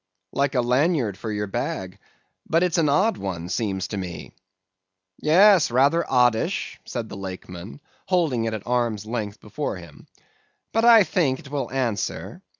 "'Like a lanyard for your bag; but it's an odd one, seems to me.' "'Yes, rather oddish,' said the Lakeman, holding it at arm's length before him; 'but I think it will answer.